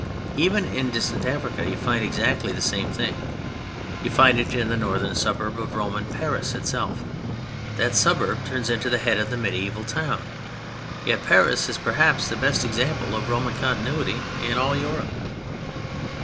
Even in distant Africa you find exactly the same thing. You find it in the northern suburb of Roman Paris itself. That suburb turns into the head of the mediæval town—yet Paris is perhaps the best example of Roman continuity in all Europe.